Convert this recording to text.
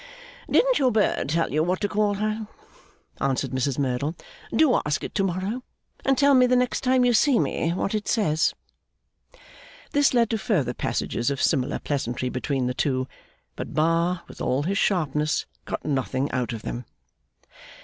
'Didn't your bird tell you what to call her?' answered Mrs Merdle. 'Do ask it to morrow, and tell me the next time you see me what it says.' This led to further passages of similar pleasantry between the two; but Bar, with all his sharpness, got nothing out of them.